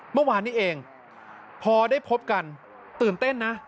เมื่อวานนี้เองพอได้พบกันตื่นเต้นนะ